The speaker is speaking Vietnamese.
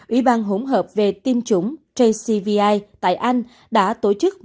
ủy ban hỗn hợp về tiêm chủng jcvi tại anh đã tổ chức